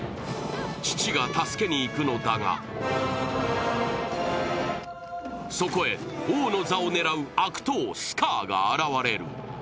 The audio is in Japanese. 父が助けに行くのだがそこへ王の座を狙う悪党・スカーが現れる。